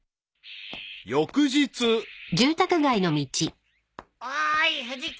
［翌日］・おーい藤木！